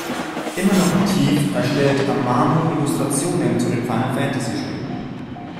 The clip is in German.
Immer noch aktiv erstellt Amano Illustrationen zu den Final-Fantasy-Spielen.